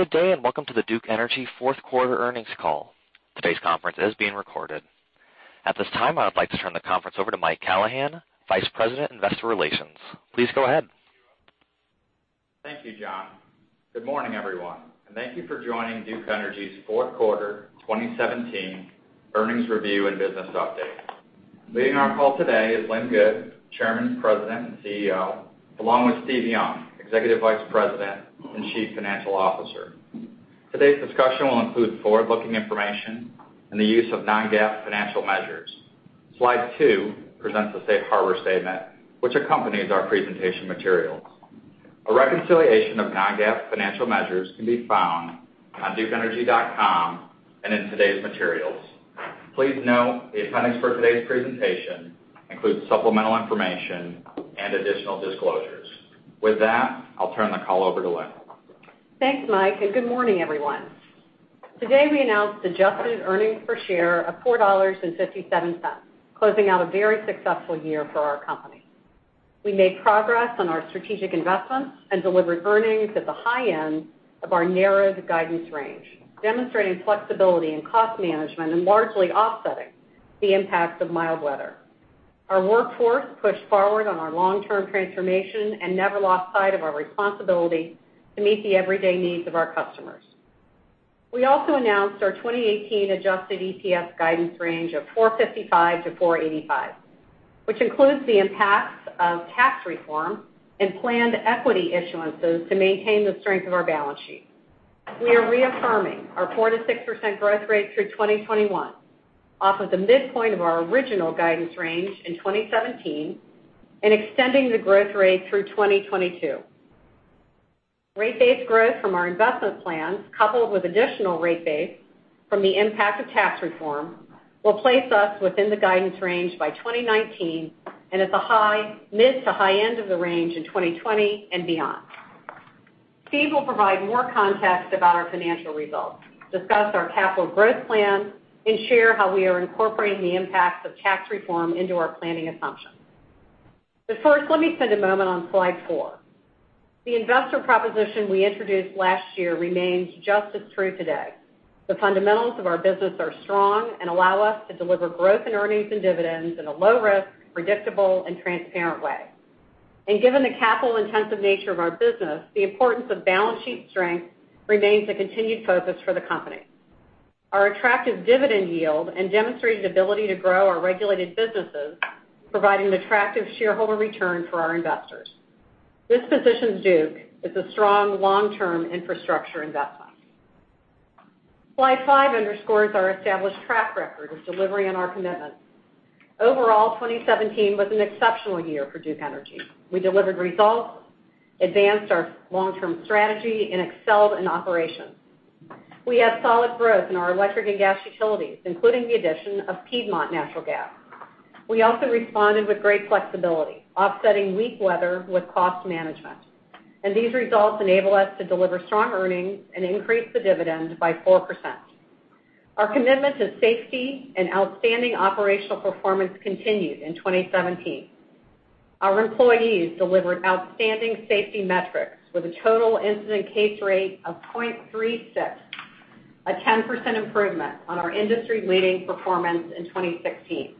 Good day, welcome to the Duke Energy fourth quarter earnings call. Today's conference is being recorded. At this time, I would like to turn the conference over to Mike Callahan, Vice President, Investor Relations. Please go ahead. Thank you, John. Good morning, everyone, thank you for joining Duke Energy's fourth quarter 2017 earnings review and business update. Leading our call today is Lynn Good, Chairman, President, and CEO, along with Steve Young, Executive Vice President and Chief Financial Officer. Today's discussion will include forward-looking information and the use of non-GAAP financial measures. Slide two presents the safe harbor statement which accompanies our presentation materials. A reconciliation of non-GAAP financial measures can be found on dukeenergy.com and in today's materials. Please note the appendix for today's presentation includes supplemental information and additional disclosures. With that, I'll turn the call over to Lynn. Thanks, Mike, good morning, everyone. Today, we announced adjusted earnings per share of $4.57, closing out a very successful year for our company. We made progress on our strategic investments and delivered earnings at the high end of our narrowed guidance range, demonstrating flexibility in cost management and largely offsetting the impact of mild weather. Our workforce pushed forward on our long-term transformation and never lost sight of our responsibility to meet the everyday needs of our customers. We also announced our 2018 adjusted EPS guidance range of $4.55-$4.85, which includes the impacts of tax reform and planned equity issuances to maintain the strength of our balance sheet. We are reaffirming our 4%-6% growth rate through 2021, off of the midpoint of our original guidance range in 2017 and extending the growth rate through 2022. Rate-based growth from our investment plans, coupled with additional rate base from the impact of tax reform, will place us within the guidance range by 2019 and at the mid to high end of the range in 2020 and beyond. Steve will provide more context about our financial results, discuss our capital growth plan, and share how we are incorporating the impacts of tax reform into our planning assumptions. First, let me spend a moment on slide four. The investor proposition we introduced last year remains just as true today. The fundamentals of our business are strong and allow us to deliver growth in earnings and dividends in a low risk, predictable, and transparent way. Given the capital-intensive nature of our business, the importance of balance sheet strength remains a continued focus for the company. Our attractive dividend yield and demonstrated ability to grow our regulated businesses, providing attractive shareholder return for our investors. This positions Duke as a strong long-term infrastructure investment. Slide five underscores our established track record of delivering on our commitments. Overall, 2017 was an exceptional year for Duke Energy. We delivered results, advanced our long-term strategy, and excelled in operations. We had solid growth in our electric and gas utilities, including the addition of Piedmont Natural Gas. We also responded with great flexibility, offsetting weak weather with cost management. These results enable us to deliver strong earnings and increase the dividend by 4%. Our commitment to safety and outstanding operational performance continued in 2017. Our employees delivered outstanding safety metrics with a total incident case rate of 0.36, a 10% improvement on our industry-leading performance in 2016.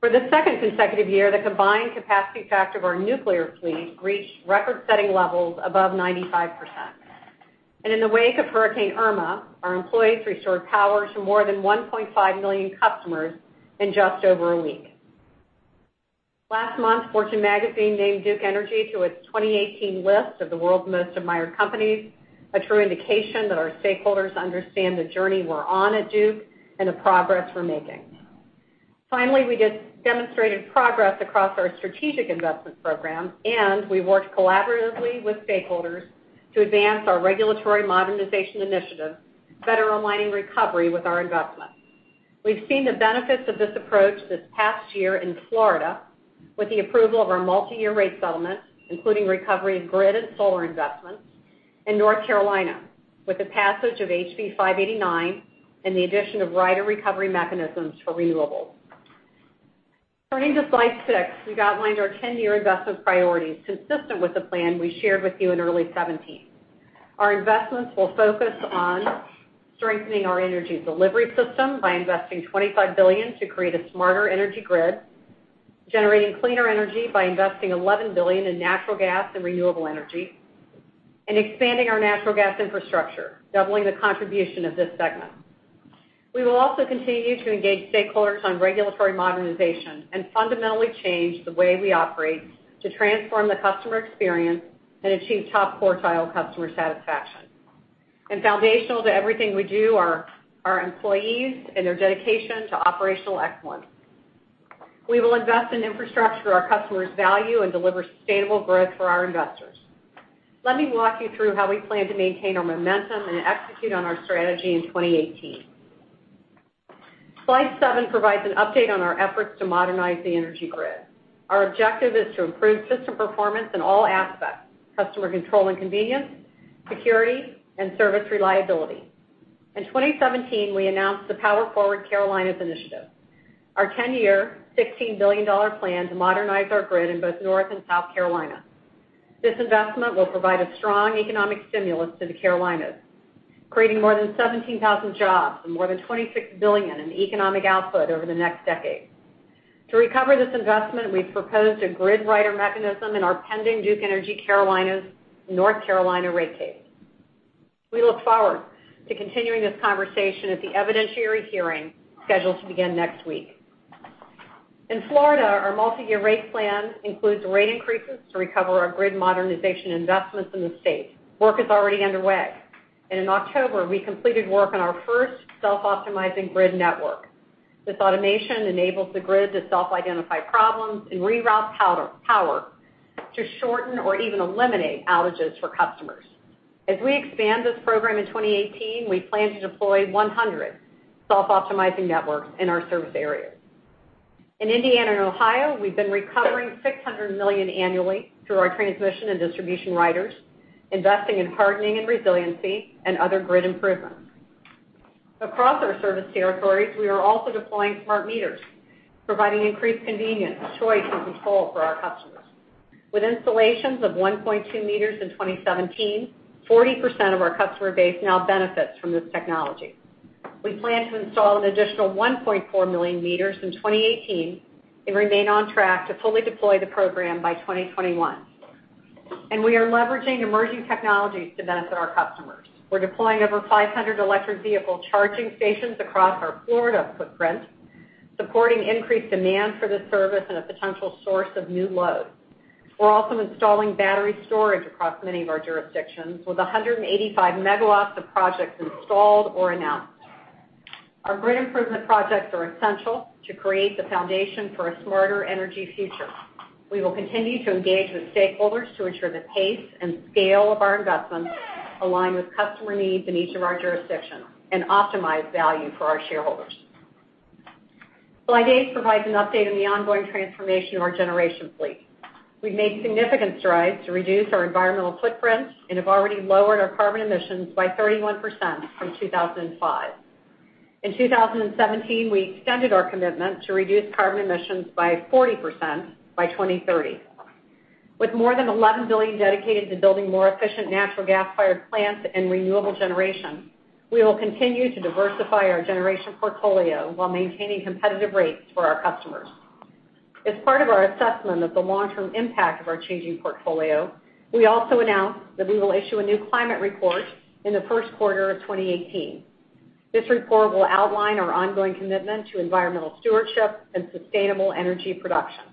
For the second consecutive year, the combined capacity factor of our nuclear fleet reached record-setting levels above 95%. In the wake of Hurricane Irma, our employees restored power to more than 1.5 million customers in just over a week. Last month, Fortune Magazine named Duke Energy to its 2018 list of the World's Most Admired Companies, a true indication that our stakeholders understand the journey we're on at Duke and the progress we're making. Finally, we demonstrated progress across our strategic investment programs, and we worked collaboratively with stakeholders to advance our regulatory modernization initiative, better aligning recovery with our investments. We've seen the benefits of this approach this past year in Florida with the approval of our multi-year rate settlement, including recovery of grid and solar investments in North Carolina with the passage of HB589 and the addition of rider recovery mechanisms for renewables. Turning to slide six, we've outlined our 10-year investment priorities consistent with the plan we shared with you in early 2017. Our investments will focus on strengthening our energy delivery system by investing $25 billion to create a smarter energy grid, generating cleaner energy by investing $11 billion in natural gas and renewable energy, and expanding our natural gas infrastructure, doubling the contribution of this segment. We will also continue to engage stakeholders on regulatory modernization and fundamentally change the way we operate to transform the customer experience and achieve top quartile customer satisfaction. Foundational to everything we do are our employees and their dedication to operational excellence. We will invest in infrastructure our customers value and deliver sustainable growth for our investors. Let me walk you through how we plan to maintain our momentum and execute on our strategy in 2018. Slide seven provides an update on our efforts to modernize the energy grid. Our objective is to improve system performance in all aspects, customer control and convenience, security, and service reliability. In 2017, we announced the Power/Forward Carolinas initiative. Our 10-year, $16 billion plan to modernize our grid in both North and South Carolina. This investment will provide a strong economic stimulus to the Carolinas, creating more than 17,000 jobs and more than $26 billion in economic output over the next decade. To recover this investment, we've proposed a grid rider mechanism in our pending Duke Energy Carolinas North Carolina rate case. We look forward to continuing this conversation at the evidentiary hearing scheduled to begin next week. In Florida, our multi-year rate plan includes rate increases to recover our grid modernization investments in the state. In October, we completed work on our first self-optimizing grid network. This automation enables the grid to self-identify problems and reroute power to shorten or even eliminate outages for customers. As we expand this program in 2018, we plan to deploy 100 self-optimizing networks in our service area. In Indiana and Ohio, we've been recovering $600 million annually through our transmission and distribution riders, investing in hardening and resiliency and other grid improvements. Across our service territories, we are also deploying smart meters, providing increased convenience, choice, and control for our customers. With installations of 1.2 million meters in 2017, 40% of our customer base now benefits from this technology. We plan to install an additional 1.4 million meters in 2018 and remain on track to fully deploy the program by 2021. We are leveraging emerging technologies to benefit our customers. We're deploying over 500 electric vehicle charging stations across our Florida footprint, supporting increased demand for this service and a potential source of new load. We're also installing battery storage across many of our jurisdictions with 185 megawatts of projects installed or announced. Our grid improvement projects are essential to create the foundation for a smarter energy future. We will continue to engage with stakeholders to ensure the pace and scale of our investments align with customer needs in each of our jurisdictions and optimize value for our shareholders. Slide eight provides an update on the ongoing transformation of our generation fleet. We've made significant strides to reduce our environmental footprint and have already lowered our carbon emissions by 31% from 2005. In 2017, we extended our commitment to reduce carbon emissions by 40% by 2030. With more than $11 billion dedicated to building more efficient natural gas-fired plants and renewable generation, we will continue to diversify our generation portfolio while maintaining competitive rates for our customers. As part of our assessment of the long-term impact of our changing portfolio, we also announced that we will issue a new climate report in the first quarter of 2018. This report will outline our ongoing commitment to environmental stewardship and sustainable energy production.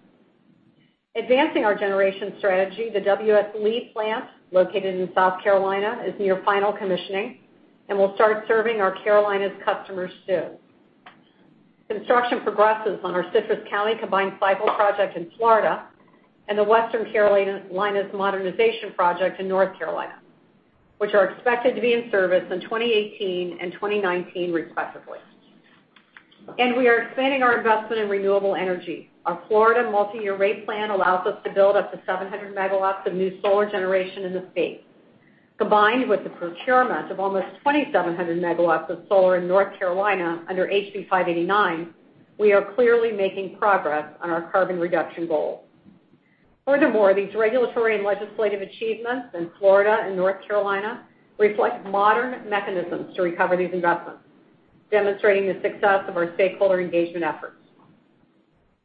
Advancing our generation strategy, the W.S. Lee plant, located in South Carolina, is near final commissioning and will start serving our Carolinas customers soon. Construction progresses on our Citrus County combined cycle project in Florida and the Western Carolinas modernization project in North Carolina, which are expected to be in service in 2018 and 2019, respectively. We are expanding our investment in renewable energy. Our Florida multi-year rate plan allows us to build up to 700 megawatts of new solar generation in the state. Combined with the procurement of almost 2,700 megawatts of solar in North Carolina under HB589, we are clearly making progress on our carbon reduction goals. Furthermore, these regulatory and legislative achievements in Florida and North Carolina reflect modern mechanisms to recover these investments, demonstrating the success of our stakeholder engagement efforts.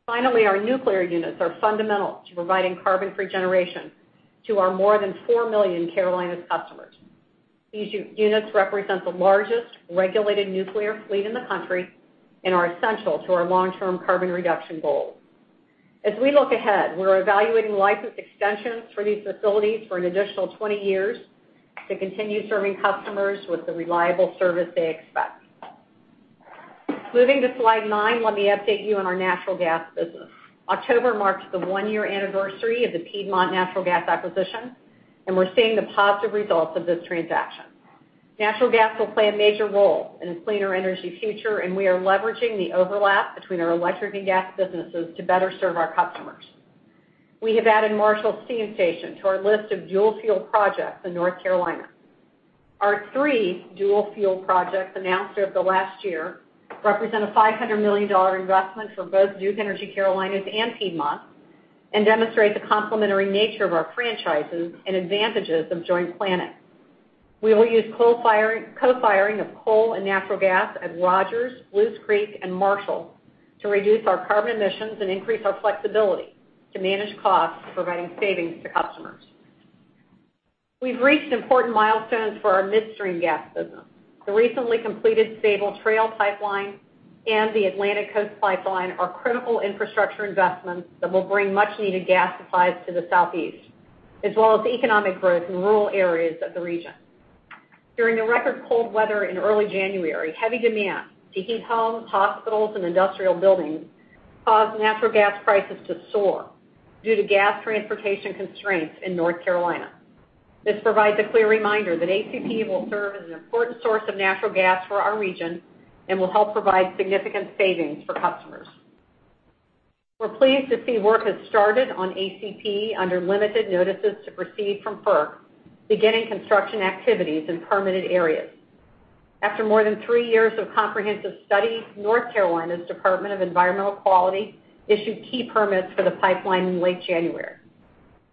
Finally, our nuclear units are fundamental to providing carbon-free generation to our more than 4 million Carolinas customers. These units represent the largest regulated nuclear fleet in the country and are essential to our long-term carbon reduction goals. As we look ahead, we're evaluating license extensions for these facilities for an additional 20 years to continue serving customers with the reliable service they expect. Moving to slide nine, let me update you on our natural gas business. October marks the one-year anniversary of the Piedmont Natural Gas acquisition. We're seeing the positive results of this transaction. Natural gas will play a major role in a cleaner energy future, and we are leveraging the overlap between our electric and gas businesses to better serve our customers. We have added Marshall Steam Station to our list of dual-fuel projects in North Carolina. Our three dual-fuel projects announced over the last year represent a $500 million investment for both Duke Energy Carolinas and Piedmont and demonstrate the complementary nature of our franchises and advantages of joint planning. We will use co-firing of coal and natural gas at Rogers, Belews Creek, and Marshall to reduce our carbon emissions and increase our flexibility to manage costs, providing savings to customers. We've reached important milestones for our midstream gas business. The recently completed Sabal Trail Pipeline and the Atlantic Coast Pipeline are critical infrastructure investments that will bring much-needed gas supplies to the Southeast, as well as economic growth in rural areas of the region. During the record cold weather in early January, heavy demand to heat homes, hospitals, and industrial buildings caused natural gas prices to soar due to gas transportation constraints in North Carolina. This provides a clear reminder that ACP will serve as an important source of natural gas for our region and will help provide significant savings for customers. We're pleased to see work has started on ACP under limited notices to proceed from FERC, beginning construction activities in permitted areas. After more than three years of comprehensive study, North Carolina's Department of Environmental Quality issued key permits for the pipeline in late January.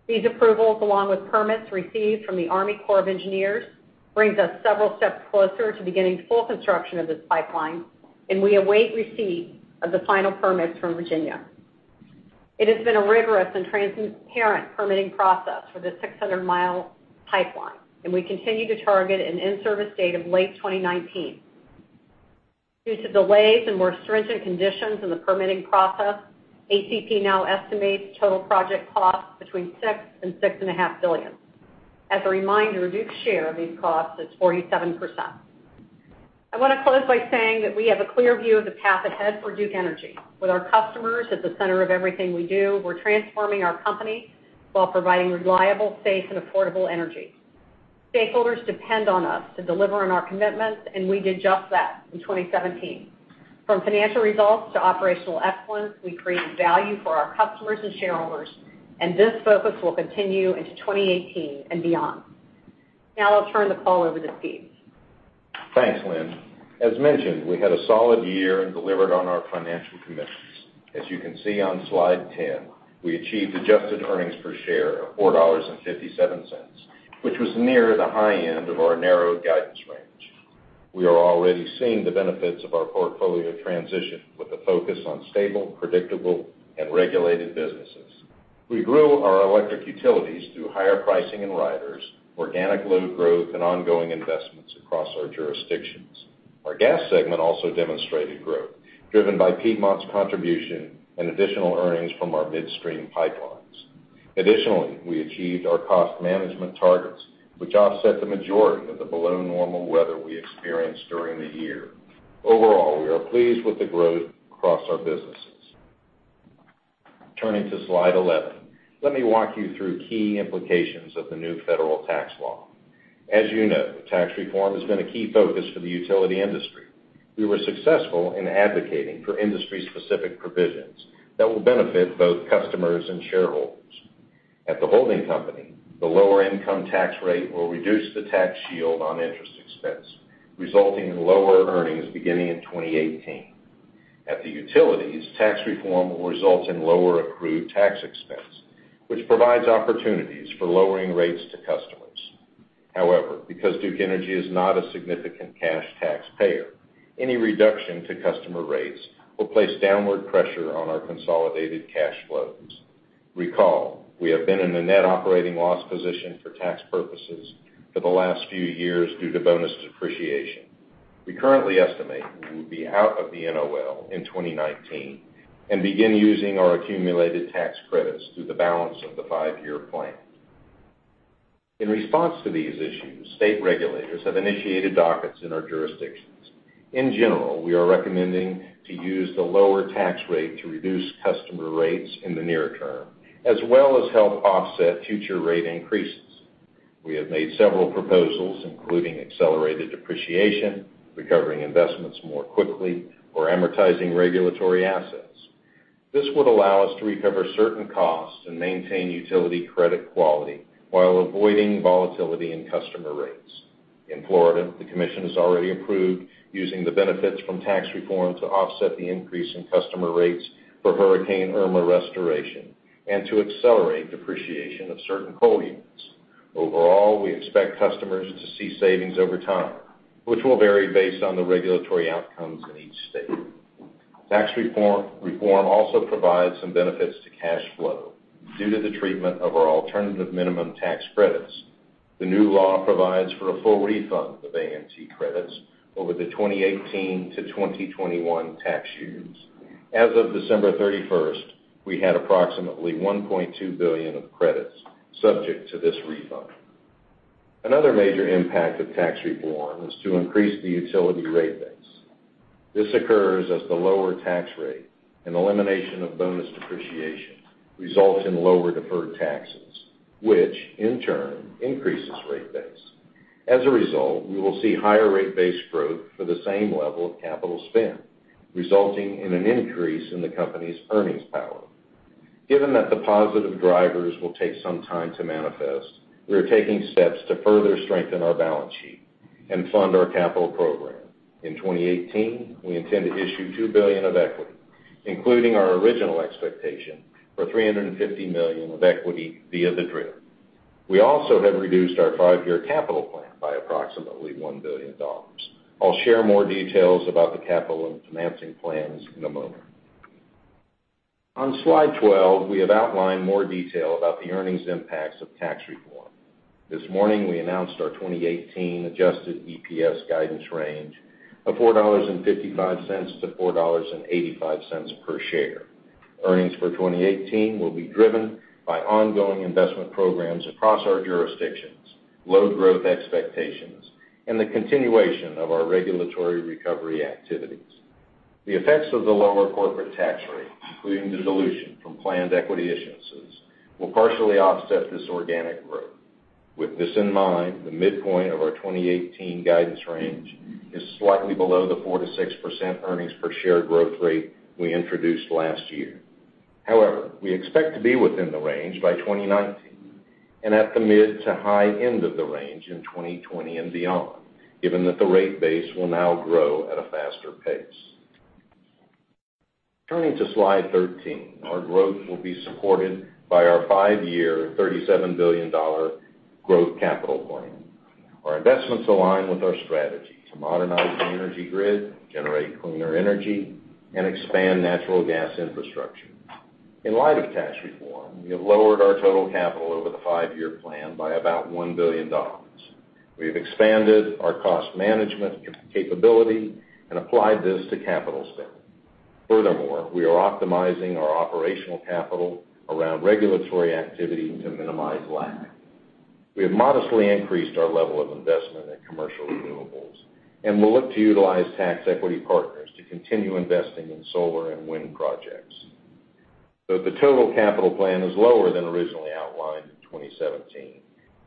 These approvals, along with permits received from the Army Corps of Engineers, brings us several steps closer to beginning full construction of this pipeline. We await receipt of the final permits from Virginia. It has been a rigorous and transparent permitting process for this 600-mile pipeline, and we continue to target an in-service date of late 2019. Due to delays and more stringent conditions in the permitting process, ACP now estimates total project costs between $6 billion and $6.5 billion. As a reminder, Duke's share of these costs is 47%. I want to close by saying that we have a clear view of the path ahead for Duke Energy. With our customers at the center of everything we do, we're transforming our company while providing reliable, safe and affordable energy. Stakeholders depend on us to deliver on our commitments. We did just that in 2017. From financial results to operational excellence, we created value for our customers and shareholders. This focus will continue into 2018 and beyond. Now I'll turn the call over to Steve. Thanks, Lynn. As mentioned, we had a solid year and delivered on our financial commitments. As you can see on slide 10, we achieved adjusted earnings per share of $4.57, which was near the high end of our narrowed guidance range. We are already seeing the benefits of our portfolio transition with a focus on stable, predictable, and regulated businesses. We grew our electric utilities through higher pricing in riders, organic load growth, and ongoing investments across our jurisdictions. Our gas segment also demonstrated growth, driven by Piedmont's contribution and additional earnings from our midstream pipelines. Additionally, we achieved our cost management targets, which offset the majority of the below normal weather we experienced during the year. Overall, we are pleased with the growth across our businesses. Turning to slide 11. Let me walk you through key implications of the new federal tax law. As you know, tax reform has been a key focus for the utility industry. We were successful in advocating for industry-specific provisions that will benefit both customers and shareholders. At the holding company, the lower income tax rate will reduce the tax shield on interest expense, resulting in lower earnings beginning in 2018. At the utilities, tax reform will result in lower accrued tax expense, which provides opportunities for lowering rates to customers. Because Duke Energy is not a significant cash taxpayer, any reduction to customer rates will place downward pressure on our consolidated cash flows. We have been in a net operating loss position for tax purposes for the last few years due to bonus depreciation. We currently estimate we will be out of the NOL in 2019 and begin using our accumulated tax credits through the balance of the five-year plan. In response to these issues, state regulators have initiated dockets in our jurisdictions. In general, we are recommending to use the lower tax rate to reduce customer rates in the near term, as well as help offset future rate increases. We have made several proposals, including accelerated depreciation, recovering investments more quickly, or amortizing regulatory assets. This would allow us to recover certain costs and maintain utility credit quality while avoiding volatility in customer rates. In Florida, the commission has already approved using the benefits from tax reform to offset the increase in customer rates for Hurricane Irma restoration and to accelerate depreciation of certain coal units. Overall, we expect customers to see savings over time, which will vary based on the regulatory outcomes in each state. Tax reform also provides some benefits to cash flow due to the treatment of our alternative minimum tax credits. The new law provides for a full refund of AMT credits over the 2018 to 2021 tax years. As of December 31st, we had approximately $1.2 billion of credits subject to this refund. Another major impact of tax reform is to increase the utility rate base. This occurs as the lower tax rate and elimination of bonus depreciation results in lower deferred taxes, which in turn increases rate base. We will see higher rate base growth for the same level of capital spend, resulting in an increase in the company's earnings power. Given that the positive drivers will take some time to manifest, we are taking steps to further strengthen our balance sheet and fund our capital program. In 2018, we intend to issue $2 billion of equity, including our original expectation for $350 million of equity via the DRIP. We also have reduced our five-year capital plan by approximately $1 billion. I'll share more details about the capital and financing plans in a moment. On slide 12, we have outlined more detail about the earnings impacts of tax reform. This morning, we announced our 2018 adjusted EPS guidance range of $4.55 to $4.85 per share. Earnings for 2018 will be driven by ongoing investment programs across our jurisdictions, load growth expectations, and the continuation of our regulatory recovery activities. The effects of the lower corporate tax rate, including dilution from planned equity issuance will partially offset this organic growth. With this in mind, the midpoint of our 2018 guidance range is slightly below the 4%-6% earnings per share growth rate we introduced last year. We expect to be within the range by 2019 and at the mid to high end of the range in 2020 and beyond, given that the rate base will now grow at a faster pace. Turning to slide 13, our growth will be supported by our five-year $37 billion growth capital plan. Our investments align with our strategy to modernize the energy grid, generate cleaner energy, and expand natural gas infrastructure. In light of tax reform, we have lowered our total capital over the five-year plan by about $1 billion. We have expanded our cost management capability and applied this to capital spend. Furthermore, we are optimizing our operational capital around regulatory activity to minimize lag. We have modestly increased our level of investment in commercial renewables, and we'll look to utilize tax equity partners to continue investing in solar and wind projects. Though the total capital plan is lower than originally outlined in 2017,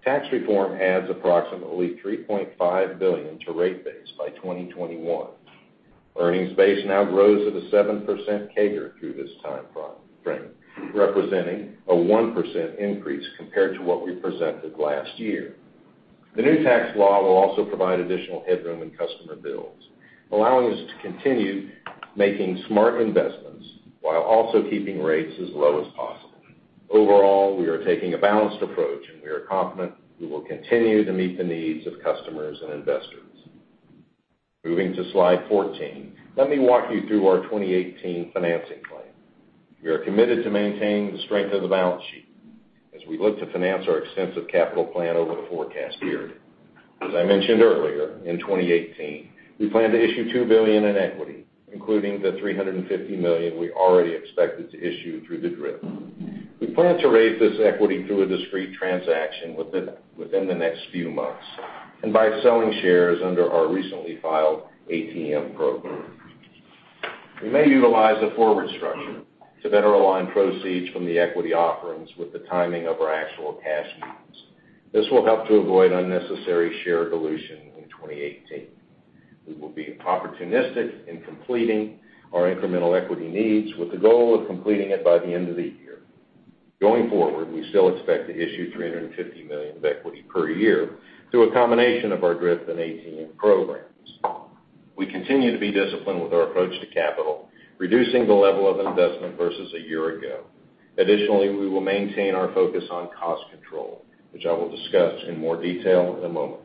tax reform adds approximately $3.5 billion to rate base by 2021. Earnings base now grows at a 7% CAGR through this time frame, representing a 1% increase compared to what we presented last year. The new tax law will also provide additional headroom in customer bills, allowing us to continue making smart investments while also keeping rates as low as possible. We are taking a balanced approach, and we are confident we will continue to meet the needs of customers and investors. Moving to slide 14, let me walk you through our 2018 financing plan. We are committed to maintaining the strength of the balance sheet as we look to finance our extensive capital plan over the forecast period. As I mentioned earlier, in 2018, we plan to issue $2 billion in equity, including the $350 million we already expected to issue through the DRIP. We plan to raise this equity through a discrete transaction within the next few months and by selling shares under our recently filed ATM program. We may utilize a forward structure to better align proceeds from the equity offerings with the timing of our actual cash needs. This will help to avoid unnecessary share dilution in 2018. We will be opportunistic in completing our incremental equity needs with the goal of completing it by the end of the year. Going forward, we still expect to issue $350 million of equity per year through a combination of our DRIP and ATM programs. We continue to be disciplined with our approach to capital, reducing the level of investment versus a year ago. Additionally, we will maintain our focus on cost control, which I will discuss in more detail in a moment.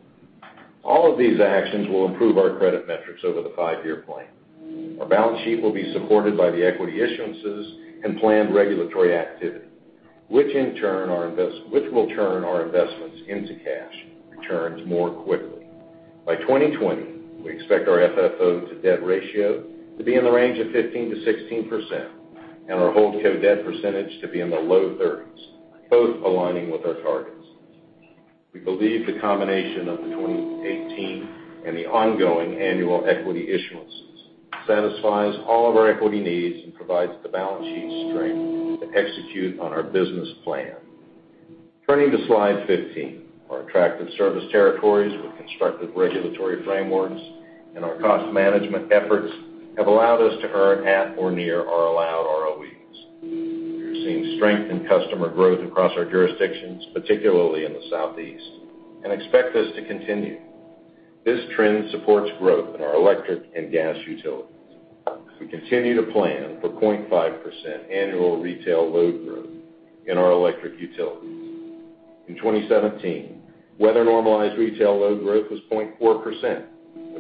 All of these actions will improve our credit metrics over the 5-year plan. Our balance sheet will be supported by the equity issuances and planned regulatory activity, which will turn our investments into cash returns more quickly. By 2020, we expect our FFO to debt ratio to be in the range of 15%-16% and our hold co debt percentage to be in the low 30s, both aligning with our targets. We believe the combination of the 2018 and the ongoing annual equity issuances satisfies all of our equity needs and provides the balance sheet strength to execute on our business plan. Turning to slide 15. Our attractive service territories with constructive regulatory frameworks and our cost management efforts have allowed us to earn at or near our allowed ROEs. We are seeing strength in customer growth across our jurisdictions, particularly in the Southeast, and expect this to continue. This trend supports growth in our electric and gas utilities. We continue to plan for 0.5% annual retail load growth in our electric utilities. In 2017, weather-normalized retail load growth was 0.4%,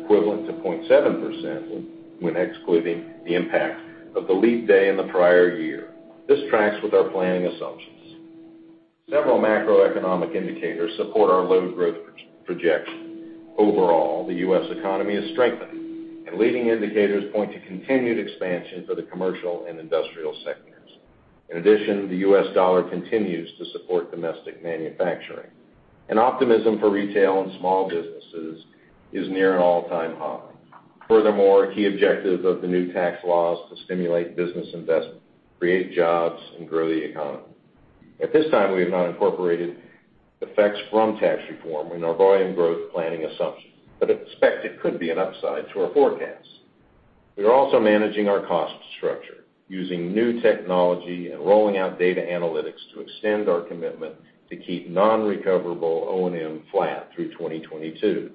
equivalent to 0.7% when excluding the impact of the leap day in the prior year. This tracks with our planning assumptions. Several macroeconomic indicators support our load growth projection. Overall, the U.S. economy is strengthening, and leading indicators point to continued expansion for the commercial and industrial sectors. In addition, the U.S. dollar continues to support domestic manufacturing, and optimism for retail and small businesses is near an all-time high. Furthermore, a key objective of the new tax law is to stimulate business investment, create jobs, and grow the economy. At this time, we have not incorporated effects from tax reform in our volume growth planning assumptions, but expect it could be an upside to our forecast. We are also managing our cost structure using new technology and rolling out data analytics to extend our commitment to keep non-recoverable O&M flat through 2022.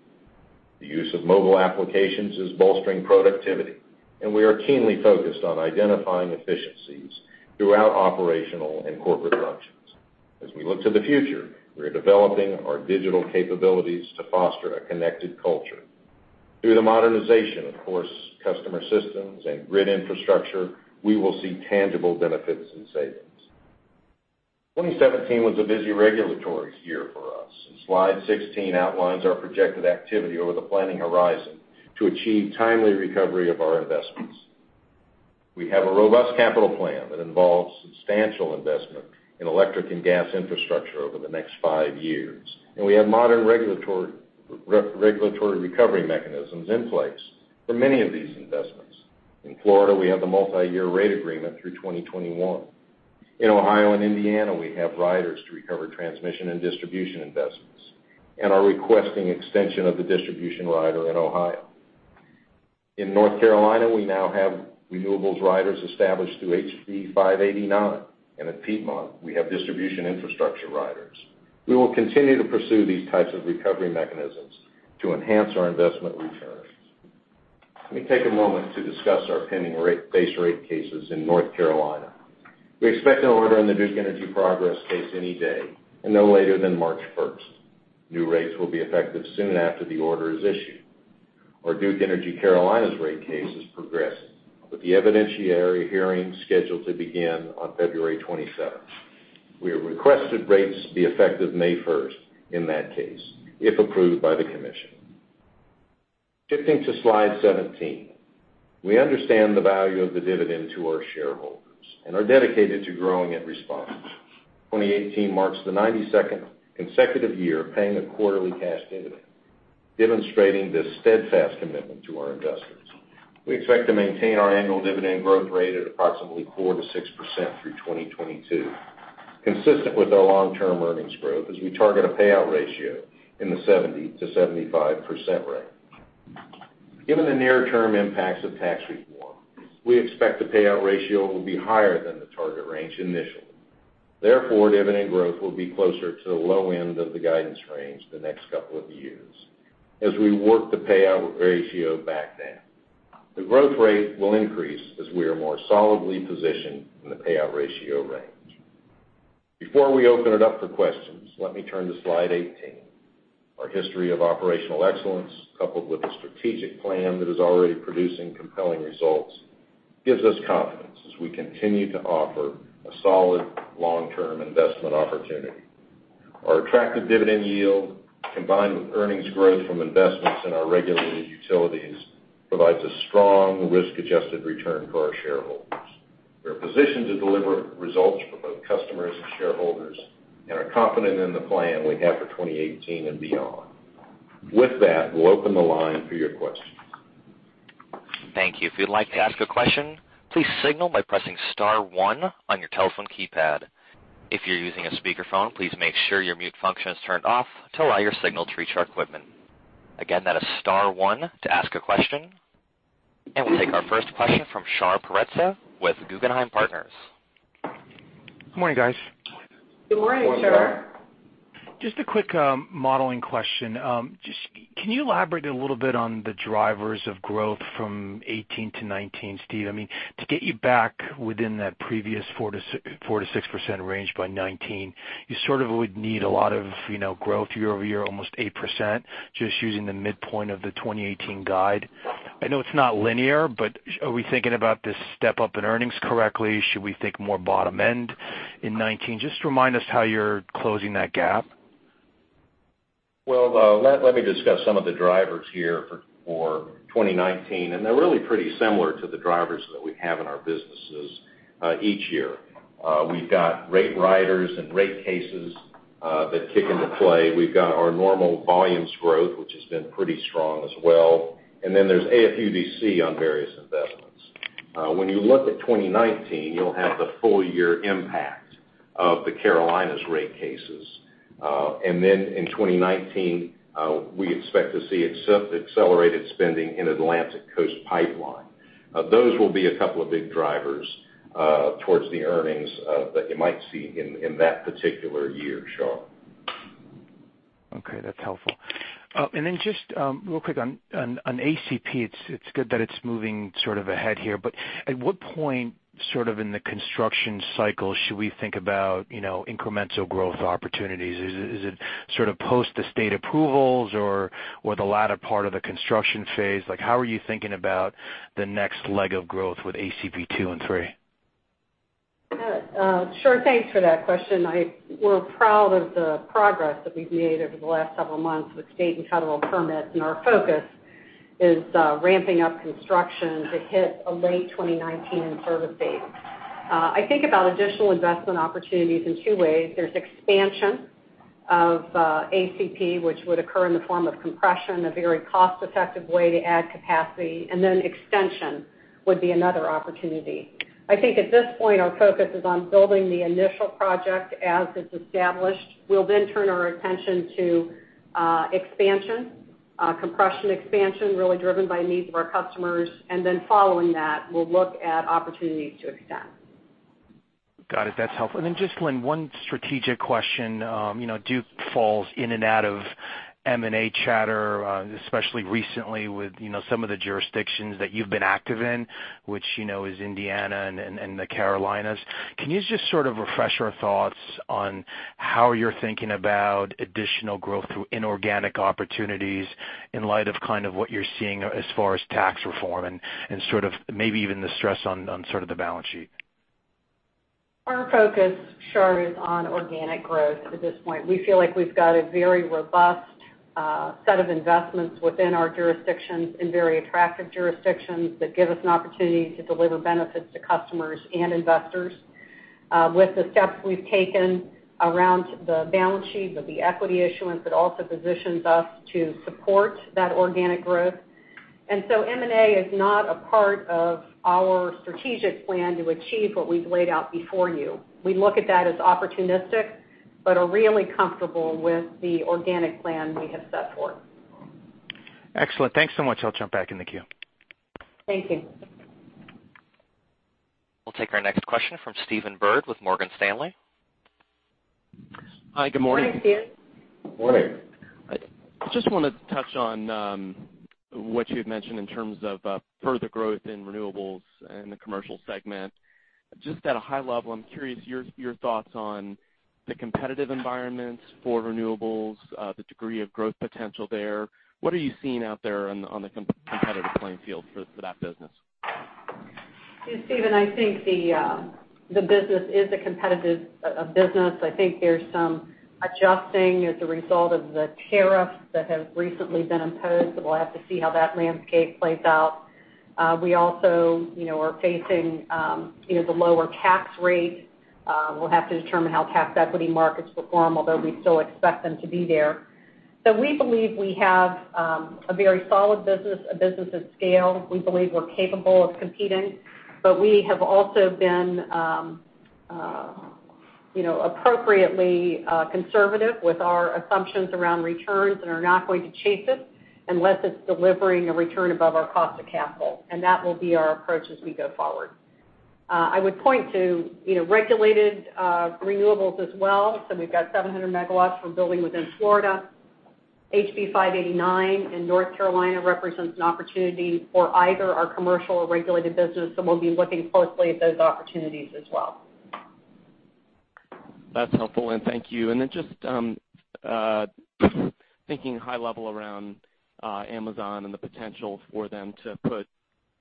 The use of mobile applications is bolstering productivity, and we are keenly focused on identifying efficiencies throughout operational and corporate functions. As we look to the future, we are developing our digital capabilities to foster a connected culture. Through the modernization of core customer systems and grid infrastructure, we will see tangible benefits and savings. 2017 was a busy regulatory year for us, and slide 16 outlines our projected activity over the planning horizon to achieve timely recovery of our investments. We have a robust capital plan that involves substantial investment in electric and gas infrastructure over the next 5 years, and we have modern regulatory recovery mechanisms in place for many of these investments. In Florida, we have the multi-year rate agreement through 2021. In Ohio and Indiana, we have riders to recover transmission and distribution investments and are requesting extension of the distribution rider in Ohio. In North Carolina, we now have renewables riders established through HB 589, and at Piedmont, we have distribution infrastructure riders. We will continue to pursue these types of recovery mechanisms to enhance our investment returns. Let me take a moment to discuss our pending base rate cases in North Carolina. We expect an order on the Duke Energy Progress case any day, and no later than March 1st. New rates will be effective soon after the order is issued. Our Duke Energy Carolinas rate case is progressing with the evidentiary hearing scheduled to begin on February 27th. We have requested rates to be effective May 1st in that case, if approved by the commission. Shifting to slide 17. We understand the value of the dividend to our shareholders and are dedicated to growing it responsibly. 2018 marks the 92nd consecutive year of paying a quarterly cash dividend, demonstrating this steadfast commitment to our investors. We expect to maintain our annual dividend growth rate at approximately 4%-6% through 2022, consistent with our long-term earnings growth as we target a payout ratio in the 70%-75% range. Given the near-term impacts of tax reform, we expect the payout ratio will be higher than the target range initially. Dividend growth will be closer to the low end of the guidance range the next couple of years as we work the payout ratio back down. The growth rate will increase as we are more solidly positioned in the payout ratio range. Before we open it up for questions, let me turn to slide 18. Our history of operational excellence, coupled with a strategic plan that is already producing compelling results, gives us confidence as we continue to offer a solid long-term investment opportunity. Our attractive dividend yield, combined with earnings growth from investments in our regulated utilities, provides a strong risk-adjusted return for our shareholders. We are positioned to deliver results for both customers and shareholders and are confident in the plan we have for 2018 and beyond. We'll open the line for your questions. Thank you. If you'd like to ask a question, please signal by pressing *1 on your telephone keypad. If you're using a speakerphone, please make sure your mute function is turned off to allow your signal to reach our equipment. Again, that is *1 to ask a question. We'll take our first question from Shar Pourreza with Guggenheim Partners. Good morning, guys. Good morning, Shar. Just a quick modeling question. Can you elaborate a little bit on the drivers of growth from 2018 to 2019, Steve? To get you back within that previous 4%-6% range by 2019, you would need a lot of growth year-over-year, almost 8%, just using the midpoint of the 2018 guide. I know it's not linear, but are we thinking about this step up in earnings correctly? Should we think more bottom end in 2019? Just remind us how you're closing that gap. Well, let me discuss some of the drivers here for 2019, they're really pretty similar to the drivers that we have in our businesses each year. We've got rate riders and rate cases that kick into play. We've got our normal volumes growth, which has been pretty strong as well. There's AFUDC on various investments. When you look at 2019, you'll have the full year impact of the Carolinas rate cases. In 2019, we expect to see accelerated spending in Atlantic Coast Pipeline. Those will be a couple of big drivers towards the earnings that you might see in that particular year, Shar. Okay, that's helpful. Just real quick on ACP, it's good that it's moving ahead here, at what point in the construction cycle should we think about incremental growth opportunities? Is it post the state approvals or the latter part of the construction phase? How are you thinking about the next leg of growth with ACP 2 and 3? Sure. Thanks for that question. We're proud of the progress that we've made over the last several months with state and federal permits, and our focus is ramping up construction to hit a late 2019 in-service date. I think about additional investment opportunities in two ways. There's expansion of ACP, which would occur in the form of compression, a very cost-effective way to add capacity, and then extension would be another opportunity. I think at this point, our focus is on building the initial project as it's established. We'll turn our attention to expansion. Compression expansion, really driven by needs of our customers. Following that, we'll look at opportunities to extend. Got it. That's helpful. Just, Lynn, one strategic question. Duke falls in and out of M&A chatter, especially recently with some of the jurisdictions that you've been active in, which is Indiana and the Carolinas. Can you just refresh our thoughts on how you're thinking about additional growth through inorganic opportunities in light of what you're seeing as far as tax reform and maybe even the stress on the balance sheet? Our focus, Shar, is on organic growth at this point. We feel like we've got a very robust set of investments within our jurisdictions and very attractive jurisdictions that give us an opportunity to deliver benefits to customers and investors. With the steps we've taken around the balance sheet with the equity issuance, it also positions us to support that organic growth. M&A is not a part of our strategic plan to achieve what we've laid out before you. We look at that as opportunistic, are really comfortable with the organic plan we have set forth. Excellent. Thanks so much. I'll jump back in the queue. Thank you. We'll take our next question from Stephen Byrd with Morgan Stanley. Hi, good morning. Hi, Stephen. Morning. Just want to touch on what you had mentioned in terms of further growth in renewables in the commercial segment. Just at a high level, I'm curious your thoughts on the competitive environments for renewables, the degree of growth potential there. What are you seeing out there on the competitive playing field for that business? Stephen, I think the business is a competitive business. I think there's some adjusting as a result of the tariffs that have recently been imposed, we'll have to see how that landscape plays out. We also are facing the lower tax rate. We'll have to determine how tax equity markets perform, although we still expect them to be there. We believe we have a very solid business, a business of scale. We believe we're capable of competing, but we have also been appropriately conservative with our assumptions around returns and are not going to chase it unless it's delivering a return above our cost of capital. That will be our approach as we go forward. I would point to regulated renewables as well. We've got 700 megawatts we're building within Florida. HB589 in North Carolina represents an opportunity for either our commercial or regulated business, we'll be looking closely at those opportunities as well. That's helpful, and thank you. Just thinking high level around Amazon and the potential for them to put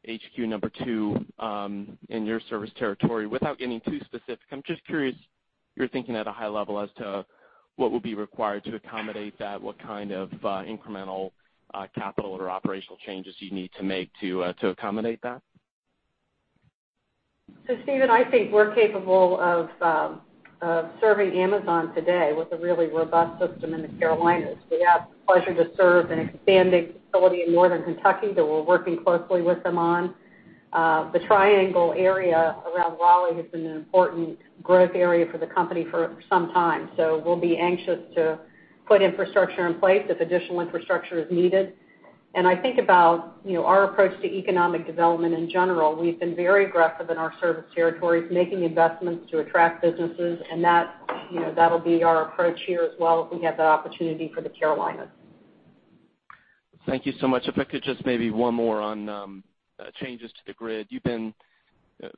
HQ number two in your service territory. Without getting too specific, I'm just curious your thinking at a high level as to what would be required to accommodate that, what kind of incremental capital or operational changes you'd need to make to accommodate that. Stephen, I think we're capable of serving Amazon today with a really robust system in the Carolinas. We have the pleasure to serve an expanding facility in Northern Kentucky that we're working closely with them on. The triangle area around Raleigh has been an important growth area for the company for some time, so we'll be anxious to put infrastructure in place if additional infrastructure is needed. I think about our approach to economic development in general. We've been very aggressive in our service territories, making investments to attract businesses, and that'll be our approach here as well if we have that opportunity for the Carolinas. Thank you so much. If I could just maybe one more on changes to the grid. You've been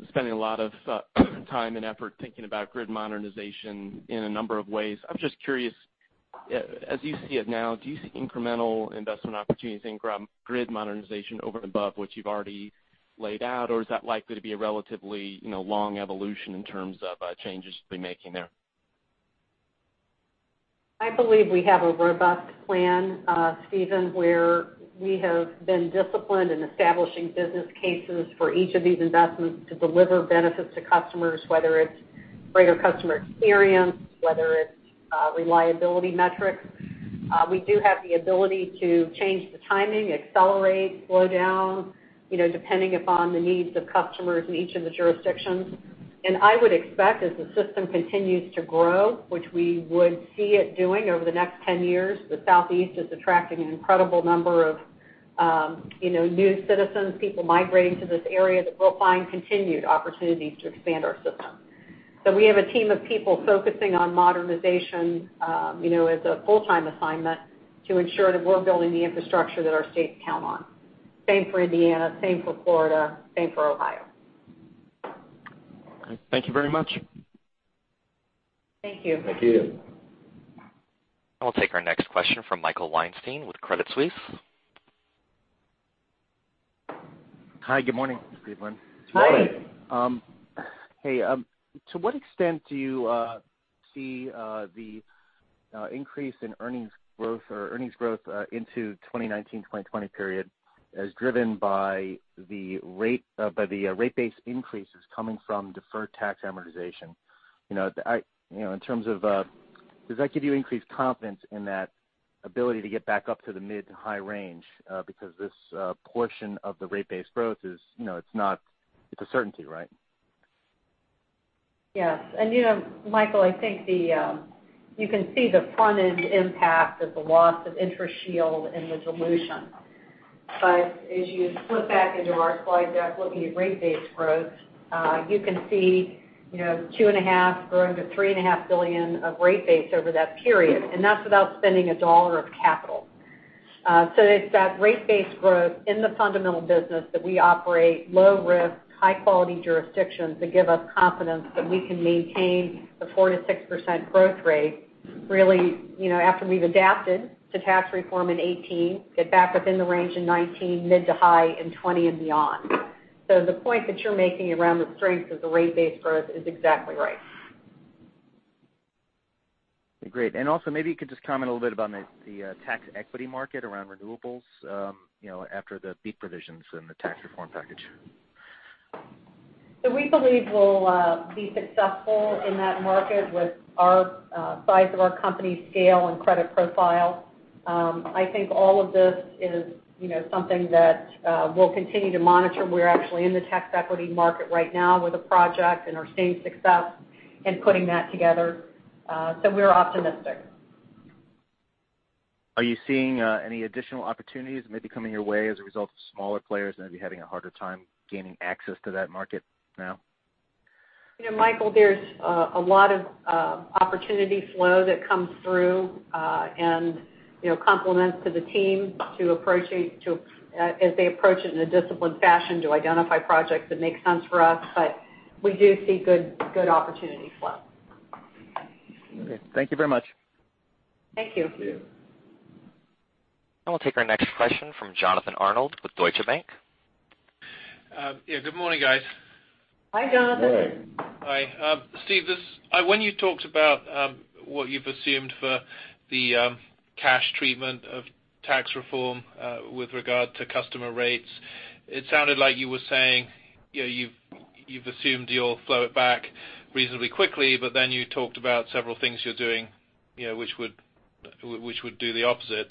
spending a lot of time and effort thinking about grid modernization in a number of ways. I'm just curious, as you see it now, do you see incremental investment opportunities in grid modernization over and above what you've already laid out, or is that likely to be a relatively long evolution in terms of changes to be making there? I believe we have a robust plan, Stephen, where we have been disciplined in establishing business cases for each of these investments to deliver benefits to customers, whether it's greater customer experience, whether it's reliability metrics. We do have the ability to change the timing, accelerate, slow down, depending upon the needs of customers in each of the jurisdictions. I would expect as the system continues to grow, which we would see it doing over the next 10 years, the Southeast is attracting an incredible number of new citizens, people migrating to this area, that we'll find continued opportunities to expand our system. We have a team of people focusing on modernization as a full-time assignment to ensure that we're building the infrastructure that our states count on. Same for Indiana, same for Florida, same for Ohio. Okay. Thank you very much. Thank you. Thank you. I'll take our next question from Michael Weinstein with Credit Suisse. Hi, good morning, Steve and Lynn. Morning. Morning. Hey, to what extent do you see the increase in earnings growth or earnings growth into 2019, 2020 period as driven by the rate base increases coming from deferred tax amortization? In terms of, does that give you increased confidence in that ability to get back up to the mid to high range? Because this portion of the rate base growth is a certainty, right? Yes. Michael, I think you can see the front-end impact of the loss of interest shield and the dilution. But as you flip back into our slide deck looking at rate base growth, you can see $2.5 billion growing to $3.5 billion of rate base over that period. That's without spending $1 of capital. It's that rate base growth in the fundamental business that we operate low risk, high quality jurisdictions that give us confidence that we can maintain the 4%-6% growth rate, really, after we've adapted to tax reform in 2018, get back up in the range in 2019, mid to high in 2020 and beyond. The point that you're making around the strength of the rate base growth is exactly right. Great. Also, maybe you could just comment a little bit about the tax equity market around renewables after the BEAT provisions and the tax reform package. We believe we'll be successful in that market with our size of our company scale and credit profile. I think all of this is something that we'll continue to monitor. We're actually in the tax equity market right now with a project and are seeing success in putting that together. We're optimistic. Are you seeing any additional opportunities maybe coming your way as a result of smaller players maybe having a harder time gaining access to that market now? Michael, there's a lot of opportunity flow that comes through, and compliments to the team as they approach it in a disciplined fashion to identify projects that make sense for us. We do see good opportunity flow. Okay. Thank you very much. Thank you. Thank you. We'll take our next question from Jonathan Arnold with Deutsche Bank. Yeah. Good morning, guys. Hi, Jonathan. Good morning. Hi. Steve, when you talked about what you've assumed for the cash treatment of tax reform with regard to customer rates, it sounded like you were saying you've assumed you'll flow it back reasonably quickly, but then you talked about several things you're doing which would do the opposite.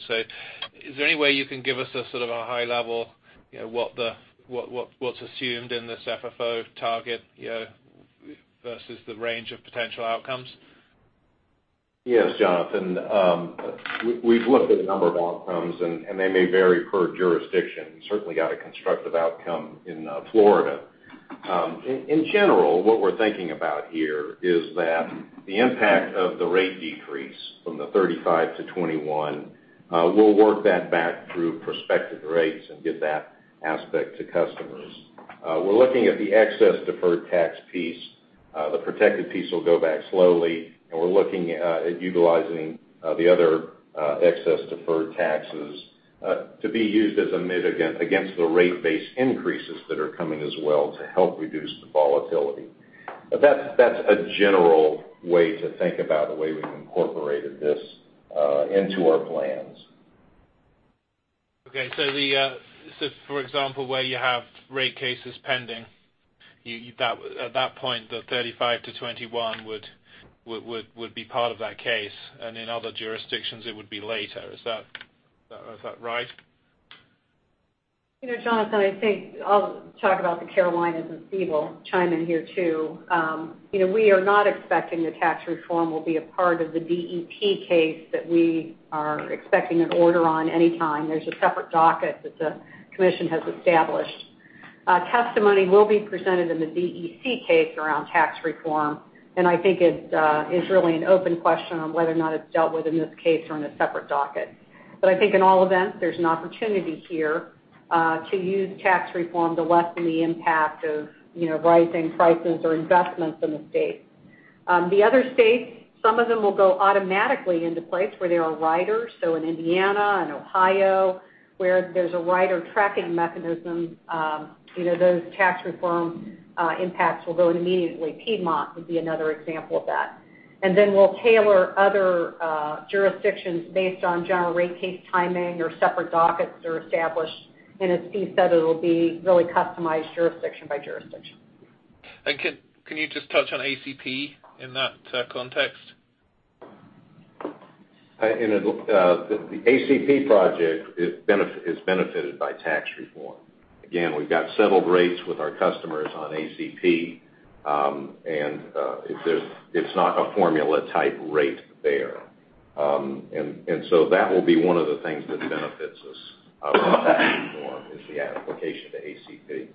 Is there any way you can give us a sort of a high level, what's assumed in this FFO target versus the range of potential outcomes? Yes, Jonathan. We've looked at a number of outcomes, and they may vary per jurisdiction. We certainly got a constructive outcome in Florida. In general, what we're thinking about here is that the impact of the rate decrease from the 35 to 21, we'll work that back through prospective rates and give that aspect to customers. We're looking at the excess deferred tax piece. The protected piece will go back slowly, and we're looking at utilizing the other excess deferred taxes to be used as a mitigant against the rate-based increases that are coming as well to help reduce the volatility. That's a general way to think about the way we've incorporated this into our plans. Okay. For example, where you have rate cases pending, at that point, the 35%-21% would be part of that case, and in other jurisdictions it would be later. Is that right? Jonathan, I think I'll talk about the Carolinas, and Steve will chime in here too. We are not expecting the tax reform will be a part of the DEP case that we are expecting an order on any time. There's a separate docket that the commission has established. Testimony will be presented in the DEC case around tax reform, and I think it's really an open question on whether or not it's dealt with in this case or in a separate docket. I think in all events, there's an opportunity here to use tax reform to lessen the impact of rising prices or investments in the state. The other states, some of them will go automatically into place where there are riders. In Indiana and Ohio, where there's a rider tracking mechanism, those tax reform impacts will go in immediately. Piedmont would be another example of that. Then we'll tailor other jurisdictions based on general rate case timing or separate dockets that are established. As Steve said, it'll be really customized jurisdiction by jurisdiction. Can you just touch on ACP in that context? The ACP project is benefited by tax reform. Again, we've got settled rates with our customers on ACP, and it's not a formula-type rate there. That will be one of the things that benefits us with tax reform, is the application to ACP.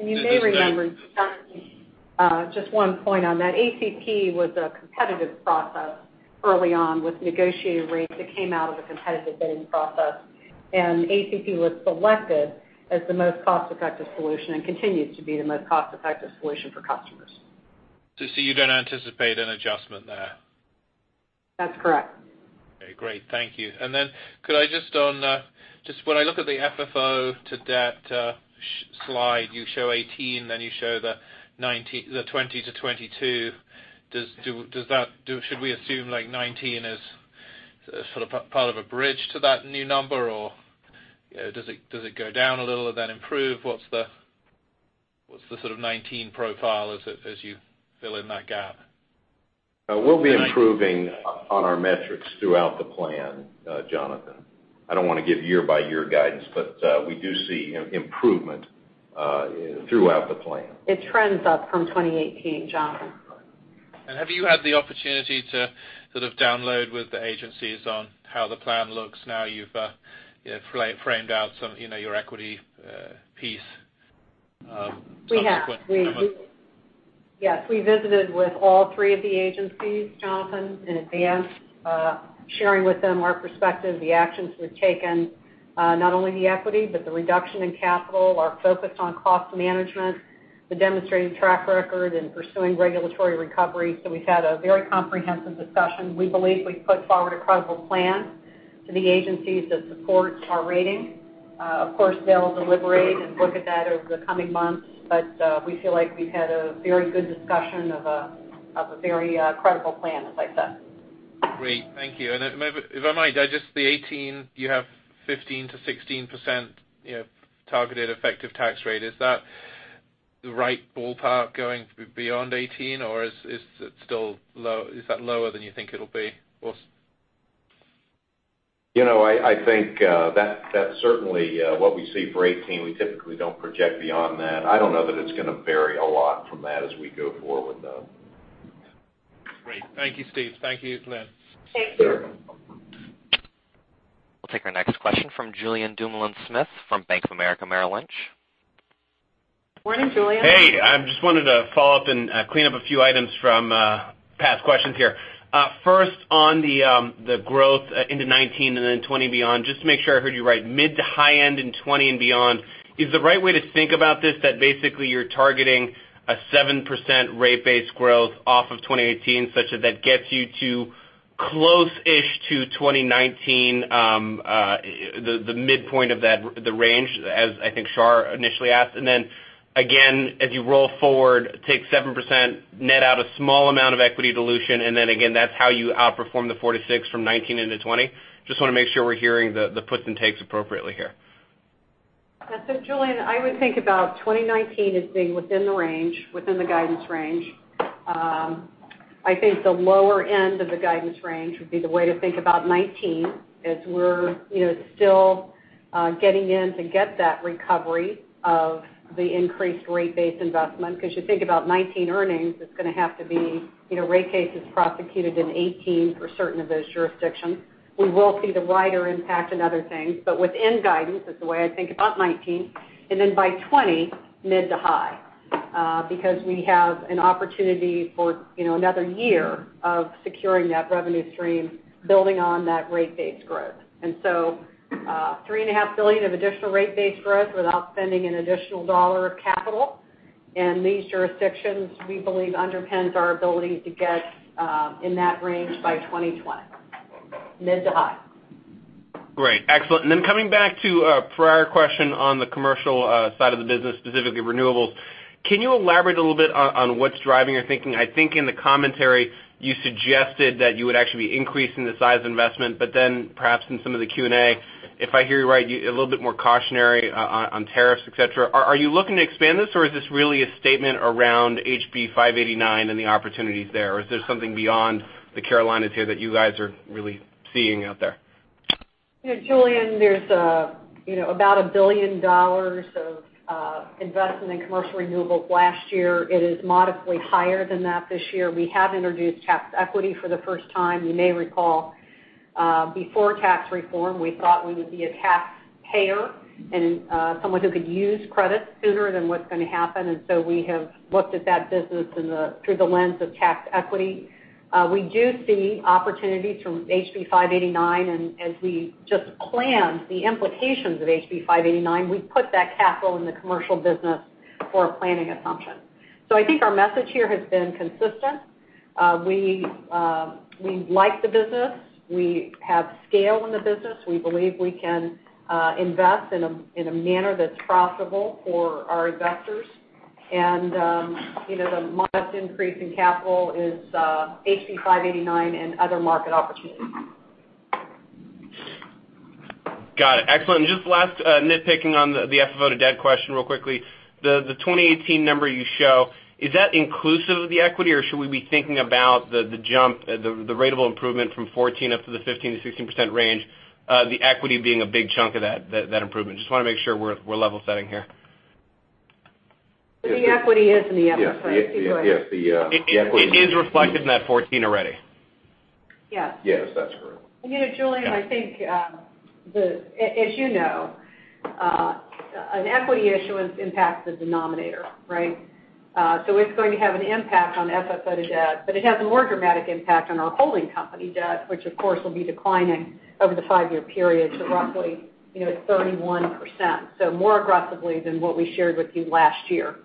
You may remember, Jonathan, just one point on that. ACP was a competitive process early on with negotiated rates that came out of the competitive bidding process, and ACP was selected as the most cost-effective solution and continues to be the most cost-effective solution for customers. You don't anticipate an adjustment there? That's correct. Okay, great. Thank you. Could I just when I look at the FFO to debt slide, you show 18, then you show the 20-22. Should we assume 19 as sort of part of a bridge to that new number, or does it go down a little and then improve? What's the sort of 19 profile as you fill in that gap? We'll be improving on our metrics throughout the plan, Jonathan. I don't want to give year by year guidance, we do see improvement throughout the plan. It trends up from 2018, Jonathan. Have you had the opportunity to sort of download with the agencies on how the plan looks now you've framed out some your equity piece subsequent? We have. Yes. We visited with all three of the agencies, Jonathan, in advance, sharing with them our perspective, the actions we've taken. Not only the equity, but the reduction in capital, our focus on cost management, the demonstrated track record in pursuing regulatory recovery. We've had a very comprehensive discussion. We believe we've put forward a credible plan. To the agencies that support our rating. Of course, they'll deliberate and look at that over the coming months, but we feel like we've had a very good discussion of a very credible plan, as I said. Great. Thank you. If I might, just the 2018, you have 15%-16% targeted effective tax rate. Is that the right ballpark going beyond 2018, or is that lower than you think it'll be? I think that's certainly what we see for 2018. We typically don't project beyond that. I don't know that it's going to vary a lot from that as we go forward, though. Great. Thank you, Steve. Thank you, Lynn. Thanks. We'll take our next question from Julien Dumoulin-Smith from Bank of America Merrill Lynch. Morning, Julien. Hey, I just wanted to follow up and clean up a few items from past questions here. First on the growth into 2019 and then 2020 beyond, just to make sure I heard you right, mid to high end in 2020 and beyond. Is the right way to think about this that basically you're targeting a 7% rate base growth off of 2018, such that gets you to close-ish to 2019, the midpoint of the range, as I think Shar initially asked? Then again, as you roll forward, take 7%, net out a small amount of equity dilution, and then again, that's how you outperform the 4%-6% from 2019 into 2020? Just want to make sure we're hearing the puts and takes appropriately here. Julien, I would think about 2019 as being within the guidance range. I think the lower end of the guidance range would be the way to think about 2019, as we're still getting in to get that recovery of the increased rate base investment. Because you think about 2019 earnings, it's going to have to be rate cases prosecuted in 2018 for certain of those jurisdictions. We will see the rider impact in other things, but within guidance is the way I think about 2019, and then by 2020, mid to high because we have an opportunity for another year of securing that revenue stream, building on that rate base growth. $3.5 billion of additional rate base growth without spending an additional dollar of capital. In these jurisdictions, we believe underpins our ability to get in that range by 2020, mid to high. Great. Excellent. Coming back to a prior question on the commercial side of the business, specifically renewables, can you elaborate a little bit on what's driving your thinking? I think in the commentary, you suggested that you would actually be increasing the size investment, perhaps in some of the Q&A, if I hear you right, a little bit more cautionary on tariffs, et cetera. Are you looking to expand this, or is this really a statement around HB589 and the opportunities there? Is there something beyond the Carolinas here that you guys are really seeing out there? Julien, there's about $1 billion of investment in commercial renewables last year. It is moderately higher than that this year. We have introduced tax equity for the first time. You may recall, before tax reform, we thought we would be a taxpayer and someone who could use credits sooner than what's going to happen. We have looked at that business through the lens of tax equity. We do see opportunities from HB589, as we just planned the implications of HB589, we put that capital in the commercial business for a planning assumption. I think our message here has been consistent. We like the business. We have scale in the business. We believe we can invest in a manner that's profitable for our investors. The modest increase in capital is HB589 and other market opportunities. Got it. Excellent. Just last nitpicking on the FFO to debt question real quickly, the 2018 number you show, is that inclusive of the equity, or should we be thinking about the jump, the ratable improvement from 14 up to the 15%-16% range, the equity being a big chunk of that improvement? Just want to make sure we're level setting here. The equity is in the FFO. Yes. It is reflected in that 14 already. Yes. Yes. That's correct. Julien, I think as you know, an equity issuance impacts the denominator. It's going to have an impact on FFO to debt, but it has a more dramatic impact on our holding company debt, which of course, will be declining over the five-year period to roughly 31%. More aggressively than what we shared with you last year.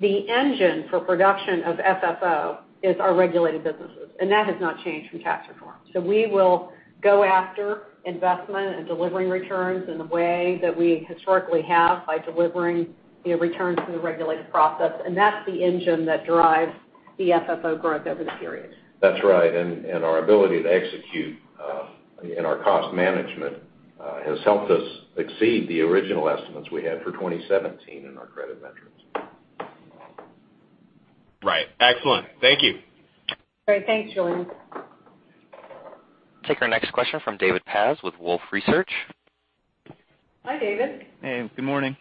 The engine for production of FFO is our regulated businesses, and that has not changed from tax reform. We will go after investment and delivering returns in the way that we historically have by delivering returns through the regulated process, and that's the engine that drives the FFO growth over the period. That's right. Our ability to execute in our cost management has helped us exceed the original estimates we had for 2017 in our credit metrics. Right. Excellent. Thank you. Great. Thanks, Julien. Take our next question from David Paz with Wolfe Research. Hi, David. Hey, good morning.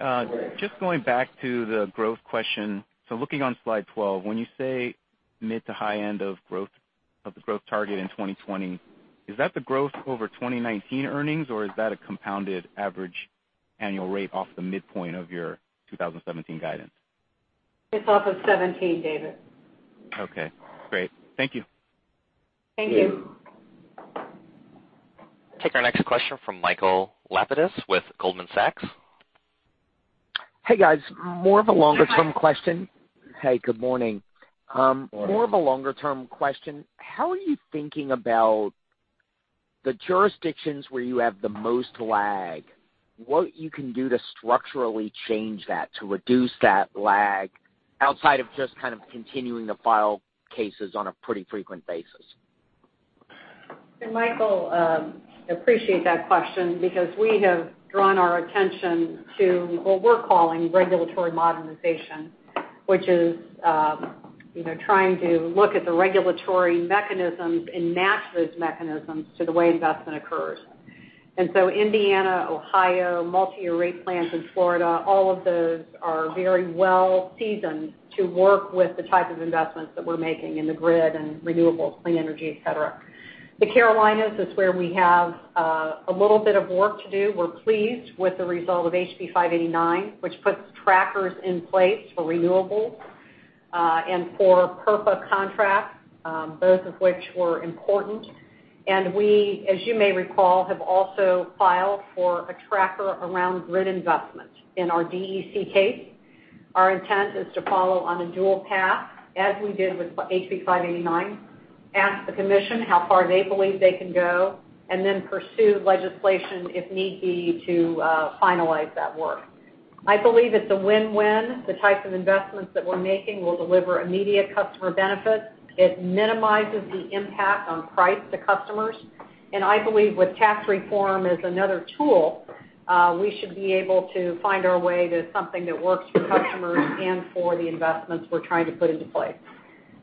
Morning. Just going back to the growth question. Looking on slide 12, when you say mid to high end of the growth target in 2020, is that the growth over 2019 earnings, or is that a compounded average annual rate off the midpoint of your 2017 guidance? It's off of 2017, David. Okay, great. Thank you. Thank you. Take our next question from Michael Lapides with Goldman Sachs. Hey, guys. More of a longer-term question. Hey, good morning. Morning. More of a longer-term question. How are you thinking about the jurisdictions where you have the most lag? What you can do to structurally change that to reduce that lag outside of just continuing to file cases on a pretty frequent basis? Michael, appreciate that question because we have drawn our attention to what we're calling regulatory modernization, which is trying to look at the regulatory mechanisms and match those mechanisms to the way investment occurs. Indiana, Ohio, multi-rate plants in Florida, all of those are very well-seasoned to work with the type of investments that we're making in the grid and renewables, clean energy, et cetera. The Carolinas is where we have a little bit of work to do. We're pleased with the result of HB589, which puts trackers in place for renewables, and for PURPA contracts, both of which were important. We, as you may recall, have also filed for a tracker around grid investments in our DEC case. Our intent is to follow on a dual path, as we did with HB589, ask the commission how far they believe they can go, and then pursue legislation if need be to finalize that work. I believe it's a win-win. The types of investments that we're making will deliver immediate customer benefits. It minimizes the impact on price to customers. I believe with tax reform as another tool, we should be able to find our way to something that works for customers and for the investments we're trying to put into place.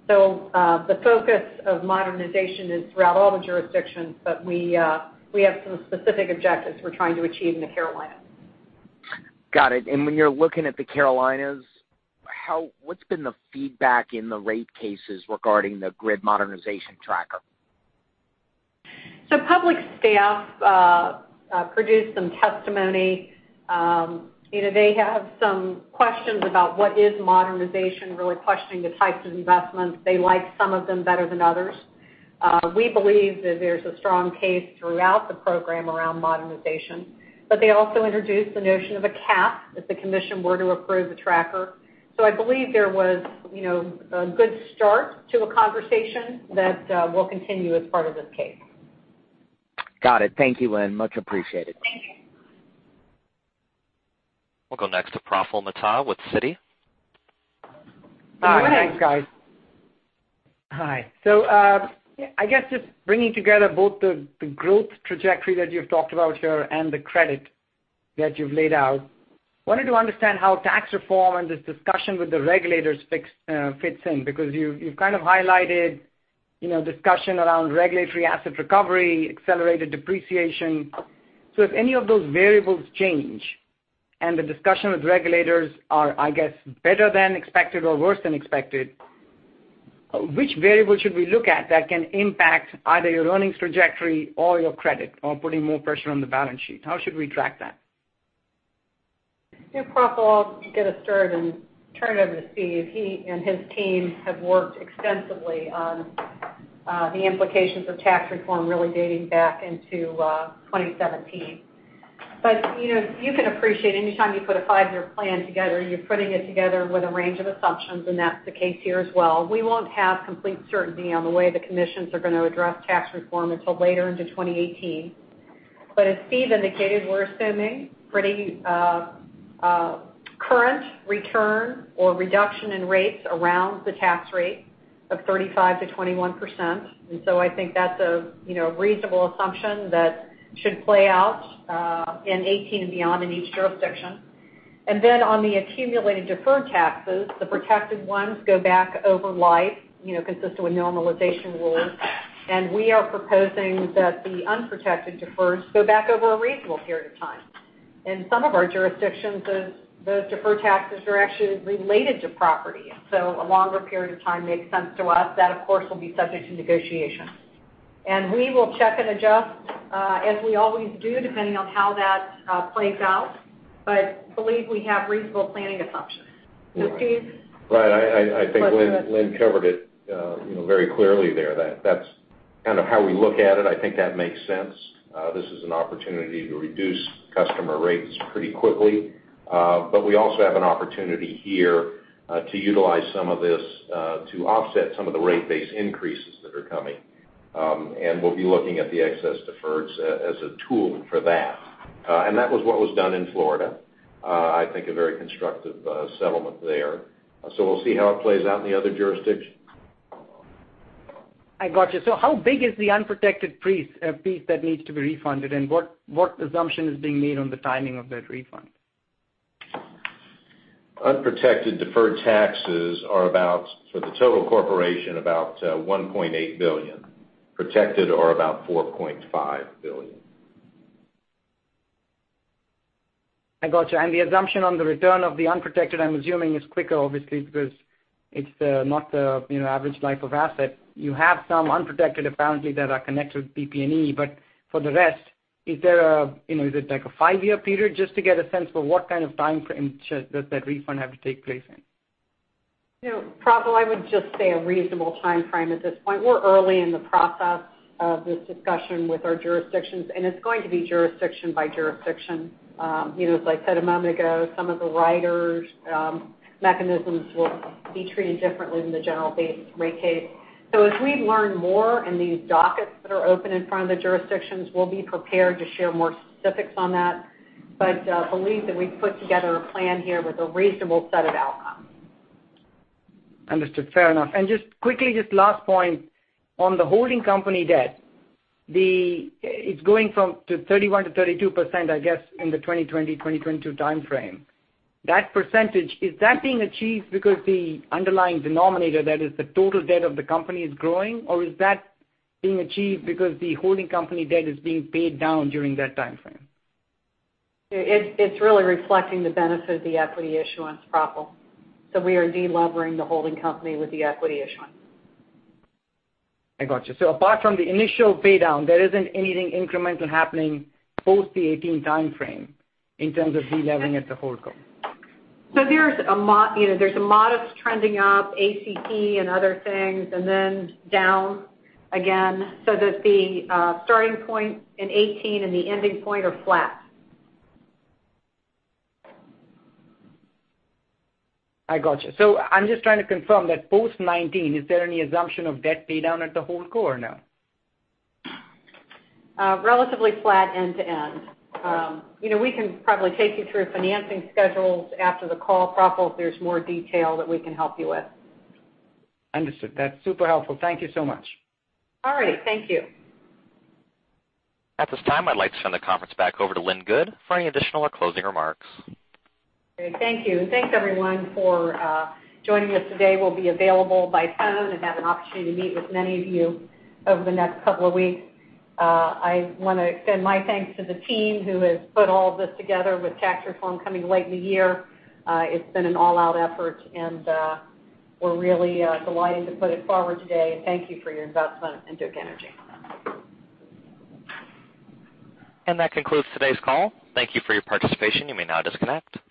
The focus of modernization is throughout all the jurisdictions, but we have some specific objectives we're trying to achieve in the Carolinas. Got it. When you're looking at the Carolinas, what's been the feedback in the rate cases regarding the grid modernization tracker? Public Staff produced some testimony. They have some questions about what is modernization, really questioning the types of investments. They like some of them better than others. We believe that there's a strong case throughout the program around modernization. They also introduced the notion of a cap if the commission were to approve the tracker. I believe there was a good start to a conversation that will continue as part of this case. Got it. Thank you, Lynn. Much appreciated. Thank you. We'll go next to Praful Mehta with Citi. Good morning. Hi. Thanks, guys. Hi. Just bringing together both the growth trajectory that you've talked about here and the credit that you've laid out, wanted to understand how tax reform and this discussion with the regulators fits in, because you've kind of highlighted discussion around regulatory asset recovery, accelerated depreciation. If any of those variables change and the discussion with regulators are, I guess, better than expected or worse than expected, which variable should we look at that can impact either your earnings trajectory or your credit or putting more pressure on the balance sheet? How should we track that? Praful, I'll get us started and turn it over to Steve. He and his team have worked extensively on the implications of tax reform really dating back into 2017. You can appreciate anytime you put a five-year plan together, you're putting it together with a range of assumptions, and that's the case here as well. We won't have complete certainty on the way the commissions are going to address tax reform until later into 2018. As Steve indicated, we're assuming pretty current return or reduction in rates around the tax rate of 35% to 21%. I think that's a reasonable assumption that should play out in 2018 and beyond in each jurisdiction. On the accumulated deferred taxes, the protected ones go back over life, consistent with normalization rules. We are proposing that the unprotected deferreds go back over a reasonable period of time. In some of our jurisdictions, those deferred taxes are actually related to property. A longer period of time makes sense to us. That, of course, will be subject to negotiation. We will check and adjust as we always do, depending on how that plays out, but believe we have reasonable planning assumptions. Steve? Right. I think Lynn covered it very clearly there. That's kind of how we look at it. I think that makes sense. This is an opportunity to reduce customer rates pretty quickly. We also have an opportunity here to utilize some of this to offset some of the rate-based increases that are coming. We'll be looking at the excess deferreds as a tool for that. That was what was done in Florida. I think a very constructive settlement there. We'll see how it plays out in the other jurisdictions. I got you. How big is the unprotected piece that needs to be refunded, and what assumption is being made on the timing of that refund? Unprotected deferred taxes are about, for the total corporation, about $1.8 billion. Protected are about $4.5 billion. I got you. The assumption on the return of the unprotected, I'm assuming, is quicker, obviously, because it's not the average life of asset. You have some unprotected apparently that are connected with PP&E, but for the rest, is it like a five-year period? Just to get a sense for what kind of time frame does that refund have to take place in? Praful, I would just say a reasonable timeframe at this point. We're early in the process of this discussion with our jurisdictions, it's going to be jurisdiction by jurisdiction. As I said a moment ago, some of the riders mechanisms will be treated differently than the general base rate case. As we learn more in these dockets that are open in front of the jurisdictions, we'll be prepared to share more specifics on that. Believe that we've put together a plan here with a reasonable set of outcomes. Understood. Fair enough. Just quickly, just last point on the holding company debt. It's going from 31% to 32%, I guess, in the 2020-2022 timeframe. That percentage, is that being achieved because the underlying denominator, that is the total debt of the company, is growing, or is that being achieved because the holding company debt is being paid down during that timeframe? It's really reflecting the benefit of the equity issuance, Praful. We are de-levering the holding company with the equity issuance. I got you. Apart from the initial paydown, there isn't anything incremental happening post the 2018 timeframe in terms of de-levering at the holdco. There's a modest trending up, ACP and other things, and then down again, so that the starting point in 2018 and the ending point are flat. I got you. I'm just trying to confirm that post 2019, is there any assumption of debt paydown at the holdco or no? Relatively flat end-to-end. We can probably take you through financing schedules after the call, Praful, if there's more detail that we can help you with. Understood. That's super helpful. Thank you so much. All right. Thank you. At this time, I'd like to turn the conference back over to Lynn Good for any additional or closing remarks. Great. Thank you, and thanks, everyone, for joining us today. We'll be available by phone and have an opportunity to meet with many of you over the next couple of weeks. I want to extend my thanks to the team who has put all this together with tax reform coming late in the year. It's been an all-out effort, and we're really delighted to put it forward today. Thank you for your investment in Duke Energy. That concludes today's call. Thank you for your participation. You may now disconnect.